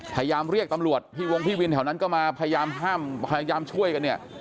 พยายามเรียกตำรวจที่วงพี่วินแถวนั้นก็มาพยายามช่วยกัน